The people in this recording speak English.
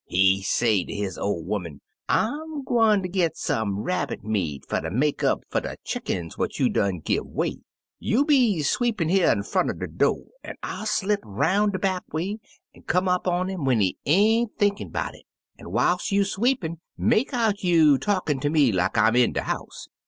He say ter his ol' 'oman, 'I'm gwine ter git some rab bit meat fer ter make up fer de chickens what you done give 'way. You be sweepin* here in front er de do', an' I '11 slip roun' de back way, an' come up on him when he ain't thinkin' 'bout it; an' whiles you sweep in' make out you talkin' ter me like I 'm in de house.'